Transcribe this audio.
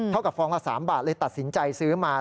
เท่ากับฟองละ๓บาทเลยตัดสินใจซื้อมา